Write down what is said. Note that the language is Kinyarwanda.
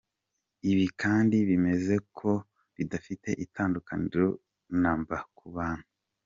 Ibi kandi bemeza ko bidafite itandukaniro na mba ku bantu.